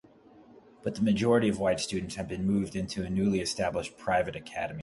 But the majority of white students had been moved into newly established private academies.